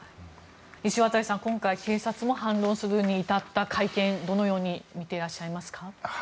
石渡さん、今回、警察も反論するに至った会見どのように見ていらっしゃいますか？